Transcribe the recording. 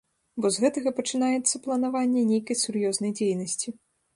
Бо з гэтага пачынаецца планаванне нейкай сур'ёзнай дзейнасці.